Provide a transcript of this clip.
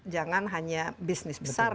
jangan hanya bisnis besar